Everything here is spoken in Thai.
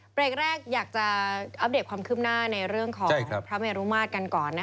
เบรกแรกอยากจะอัปเดตความคืบหน้าในเรื่องของพระเมรุมาตรกันก่อน